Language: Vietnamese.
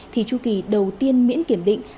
thì chu kỳ đầu tiên miễn kiểm định